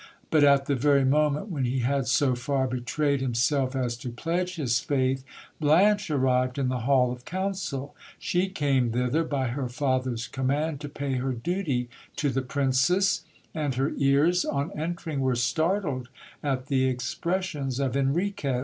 But, at the very moment when he had so far betrayed himself as to pledge his faith, Blanche arrived in the hall of council. She came thither, by her father's command, to pay her duty to the princess ; and her ears, on entering, were startled at the expressions of Enriquez.